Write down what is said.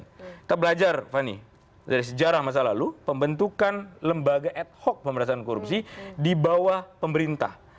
kita belajar fani dari sejarah masa lalu pembentukan lembaga ad hoc pemerintahan korupsi di bawah pemerintah